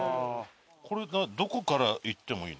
これどこから行ってもいいの？